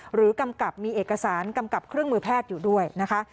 กำกับมีเอกสารกำกับเครื่องมือแพทย์อยู่ด้วยนะคะ